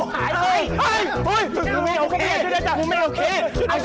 เฮ่ยเมื่อกี้มึงถ้าฟันกูหายได้